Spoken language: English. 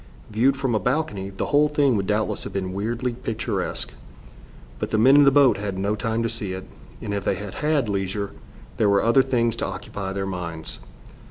Viewed from a balcony, the whole thing would doubtless have been weirdly picturesque. But the men in the boat had no time to see it, and if they had had leisure there were other things to occupy their minds.